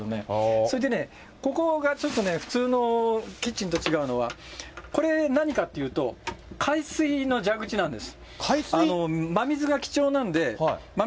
それでね、ここがちょっとね、普通のキッチンと違うのは、これ、何かっていうと、海水の蛇口なんです。